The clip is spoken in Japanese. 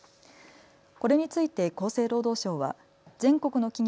これについて厚生労働省は全国の企業